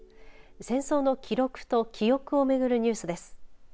戦争の記録と記憶を巡るニュースです。